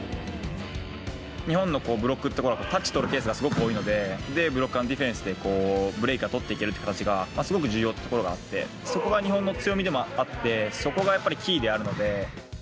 日本のブロックというのは、タッチ取るケースがすごく多いので、ブロック＆ディフェンスでブレイクが取っていけるという形がすごく重要なところがあって、そこが日本の強みでもあって、そこがやっぱりキーであるので。